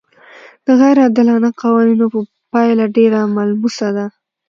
د غیر عادلانه قوانینو پایله ډېره ملموسه ده.